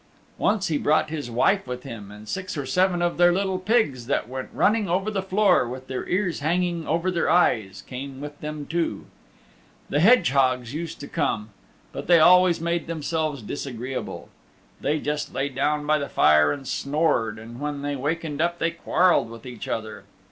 Once he brought his wife with him, and six or seven of their little pigs that went running over the floor, with their ears hanging over their eyes, came with them too. The hedgehogs used to come, but they always made themselves disagreeable. They just lay down by the fire and snored, and when they wakened up they quarrelled with each other.